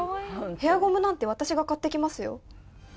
ヘアゴムなんて私が買ってきますよ